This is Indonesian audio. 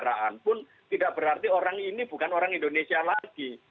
pindah ke warga negaraan pun tidak berarti orang ini bukan orang indonesia lagi